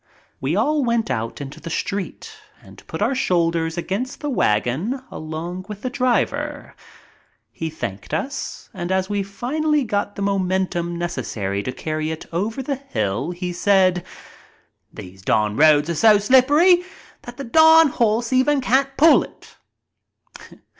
We all went out into the street and put our shoulders against the wagon along with the driver. He thanked us, and as we finally got the momentum necessary to carry it over the hill he said: "These darn roads are so slippery that the darn horse even can't pull it."